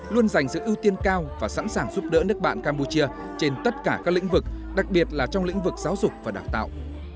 luôn dành sự ưu tiên cao và sẵn sàng giúp đỡ nước bạn campuchia trên tất cả các lĩnh vực đặc biệt là trong lĩnh vực giáo dục và đào tạo